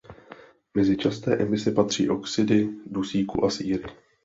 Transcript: Mezi časté emise patří oxidy dusíku a síry.